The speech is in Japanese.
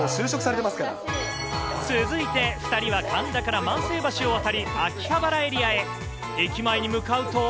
続いて、２人は神田から万世橋を渡り、秋葉原エリアへ。